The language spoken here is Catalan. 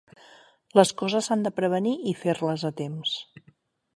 Les coses s'han de prevenir i fer-les a temps